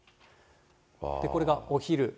これがお昼。